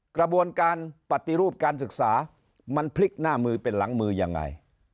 กระบวนการปฏิรูปการศึกษามันพลิกหน้ามือเป็นหลังมือยังไง